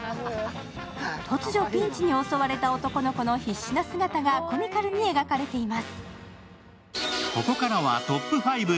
突如ピンチに襲われた男の子の必死な姿がコミカルに描かれています。